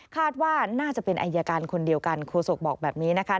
คาดว่าน่าจะเป็นอายการคนเดียวกันโคศกบอกแบบนี้นะคะ